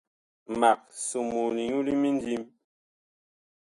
Mag somoo linyu limindim.